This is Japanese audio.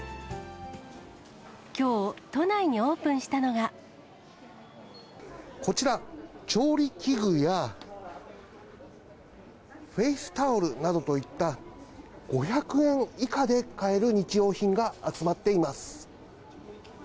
きょう、都内にオープンしたこちら、調理器具やフェイスタオルなどといった、５００円以下で買える日用品が集まっています。